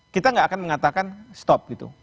kita nggak akan mengatakan stop gitu